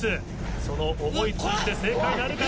その思い通じて正解なるか？